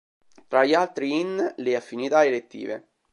Tra gli altri in "Le affinità elettive".